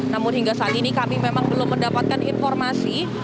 namun hingga saat ini kami memang belum mendapatkan informasi